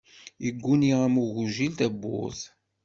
Igguni am ugujil tabburt.